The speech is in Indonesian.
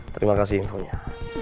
terima kasih infonya